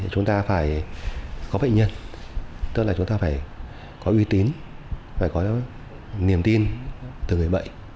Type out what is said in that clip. chúng ta phải có bệnh nhân tức là chúng ta phải có uy tín phải có những niềm tin từ người bệnh